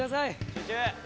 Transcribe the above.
集中！